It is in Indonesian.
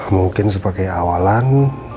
mungkin sebagai awalan